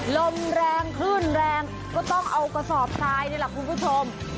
ลมแรงคลื่นแรงก็ต้องเอากระสอบทรายนี่แหละคุณผู้ชม